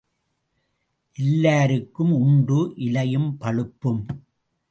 எல்லாருக்கும் உண்டு இலையும் பழுப்பும்.